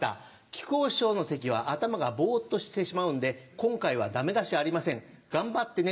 「木久扇師匠の席は頭がボっとしてしまうんで今回はダメ出しありません頑張ってね」。